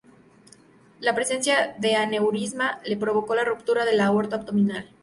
La presencia de aneurisma le provocó la ruptura de la aorta abdominal.